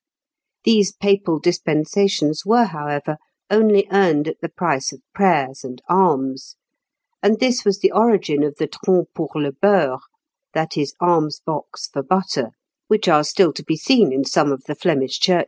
These papal dispensations were, however, only earned at the price of prayers and alms, and this was the origin of the troncs pour le beurre, that is, "alms box for butter," which are still to be seen in some of the Flemish churches.